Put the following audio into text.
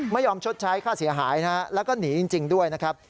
ไม่ยอมชดใช้ค่าเสียหายนะและก็หนีจริงด้วยนะครับ